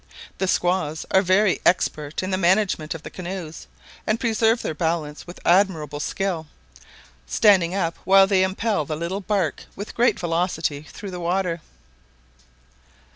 The squaws are very expert in the management of the canoes, and preserve their balance with admirable skill, standing up while they impel the little bark with great velocity through the water.